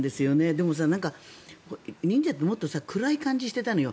でも、忍者ってもっと暗い感じがしてたのよ。